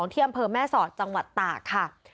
อำเภอแม่สอดจังหวัดตากครับ